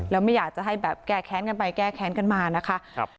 แล้วไม่อยากจะให้แบบแก้แค้นกันไปแก้แค้นกันมานะคะ